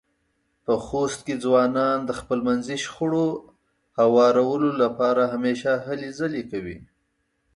په خوست کې ځوانان د خپلمنځې شخړو خوارولو لپاره همېشه هلې ځلې کوي.